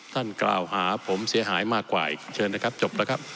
ท่านกล่าวหาผมเสียหายมากกว่าเชิญนะครับจบแล้วครับ